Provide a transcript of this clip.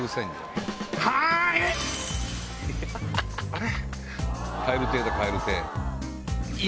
あれ？